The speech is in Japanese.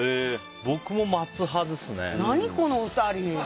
僕も、待つ派ですね。